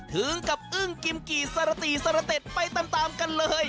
ถึงกับอึ้งกิมกี่สระตีสรเต็ดไปตามกันเลย